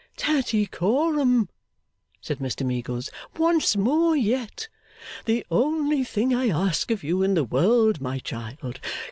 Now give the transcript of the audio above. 'Tattycoram,' said Mr Meagles. 'Once more yet! The only thing I ask of you in the world, my child!